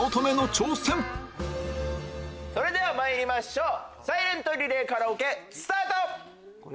それではまいりましょうサイレントリレーカラオケスタート！